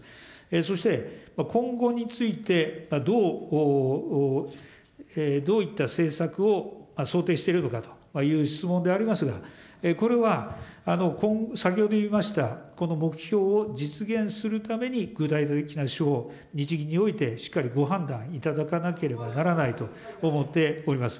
そして、今後について、どういった政策を想定しているのかという質問でありますが、これは、先ほど言いました、この目標を実現するために、具体的な手法、日銀においてしっかりご判断いただかなければならないと思っております。